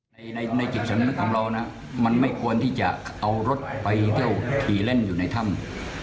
ในในจิตสำนึกของเรานะมันไม่ควรที่จะเอารถไปเที่ยวขี่เล่นอยู่ในถ้ำ